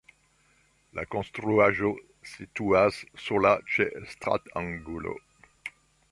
La konstruaĵo situas sola ĉe stratangulo.